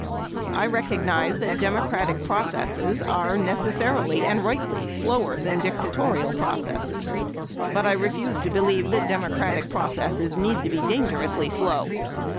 I recognize that democratic processes are necessarily and rightly slower than dictatorial processes. But I refuse to believe that democratic processes need be dangerously slow.